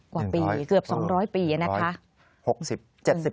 ๑๐๐กว่าปีเกือบ๒๐๐ปีนะครับครับ